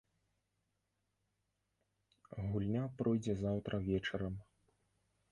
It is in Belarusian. Гульня пройдзе заўтра вечарам.